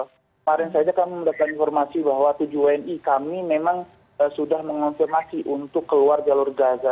kemarin saja kami mendapatkan informasi bahwa tujuh wni kami memang sudah mengonfirmasi untuk keluar jalur gaza